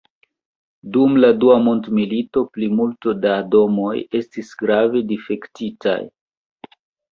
Dum la dua mondmilito plimulto da domoj estis grave difektitaj.